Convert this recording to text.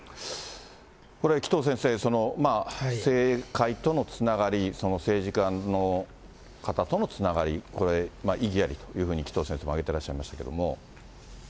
これ紀藤先生、政界とのつながり、その政治家の方とのつながり、これ異議ありというふうに、紀藤先生も挙げてらっしゃいましたけど。